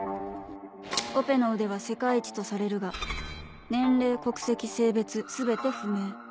オペの腕は世界一とされるが年齢国籍性別全て不明。